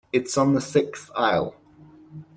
It’s on the sixth aisle.